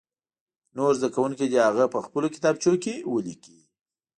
نور زده کوونکي دې هغه په خپلو کتابچو کې ولیکي.